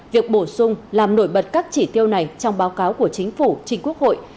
việc bổ sung làm nổi bật các chỉ tiêu này trong báo cáo của chính phủ trình quốc hội